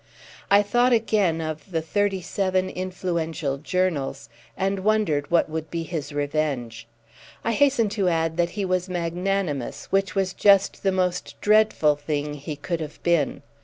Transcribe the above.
I thought again of the thirty seven influential journals and wondered what would be his revenge. I hasten to add that he was magnanimous: which was just the most dreadful thing he could have been.